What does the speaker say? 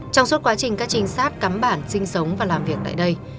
trong suốt quá trình các trinh sát cắm bản sinh sống và làm việc tại đây